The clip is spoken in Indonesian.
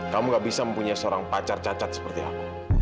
kamu nggak bisa mempunyai seorang pacar cacat seperti aku